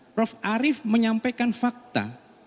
prof arief menyampaikan fakta